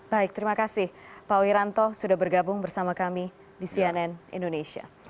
baik terima kasih pak wiranto sudah bergabung bersama kami di cnn indonesia